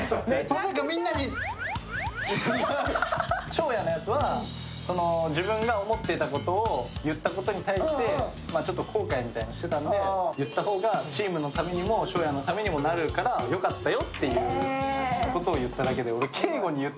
翔也のやつは、自分が思ってたことを言ったことに対してちょっと後悔みたいなのをしてたんで、言った方がチームのためにも翔也のためにもよかったよっていうことで言っただけで。